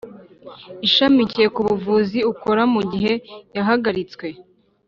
Ishamikiye ku buvuzi ukora mu gihe yahagaritswe